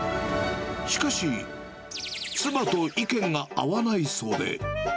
しかし、妻と意見が合わないそうで。